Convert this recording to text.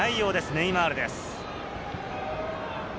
ネイマールです。